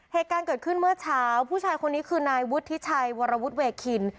เหตุการณ์เกิดขึ้นเมื่อเช้าผู้ชายคนนี้คือนายวุฒิชัยวรวุฒิเวคิน